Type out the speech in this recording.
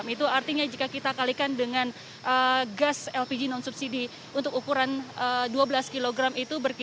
itu artinya jika kita kalikan dengan gas lpg non subsidi untuk ukuran dua belas kg itu